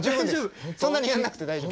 そんなにやらなくて大丈夫！